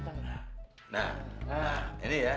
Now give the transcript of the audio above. nah ini ya taruh taruh gini gini